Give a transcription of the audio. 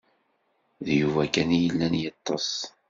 D Yuba kan i yellan yeṭṭes.